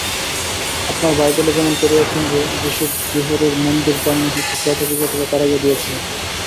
আপনারা বাইবেলে যেমন পড়িয়াছেন যে, যীশু যিহোবার মন্দির-প্রাঙ্গণ হইতে ক্রেতা-বিক্রেতাগণকে তাড়াইয়া দিয়াছিলেন।